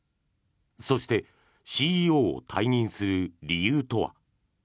そしてＣＥＯを退任する理由とは。